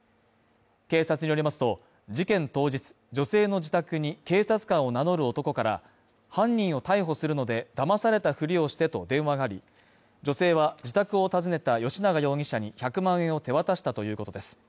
警察によりますと、事件当日、女性の自宅に警察官を名乗る男から犯人を逮捕するので、騙されたふりをしてと電話があり、女性は自宅を訪ねた吉永容疑者に１００万円を手渡したということです。